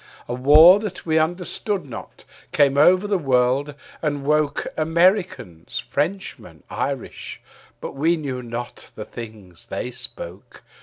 A war that we understood not came over the world and woke Americans, Frenchmen, Irish; but we knew not the things they spoke.